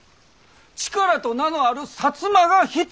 力と名のある摩が必要なんや。